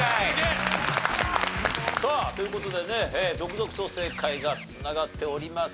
さあという事でね続々と正解が繋がっております。